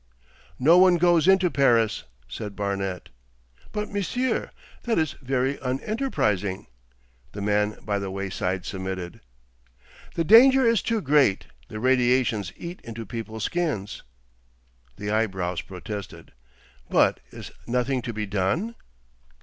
'No one goes into Paris,' said Barnet. 'But, Monsieur, that is very unenterprising,' the man by the wayside submitted. 'The danger is too great. The radiations eat into people's skins.' The eyebrows protested. 'But is nothing to be done?